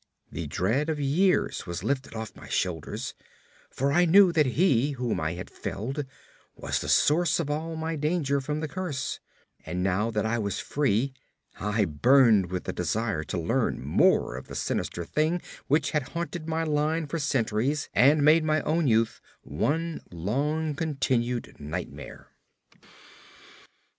The dread of years was lifted off my shoulders, for I knew that he whom I had felled was the source of all my danger from the curse; and now that I was free, I burned with the desire to learn more of the sinister thing which had haunted my line for centuries, and made of my own youth one long continued nightmare.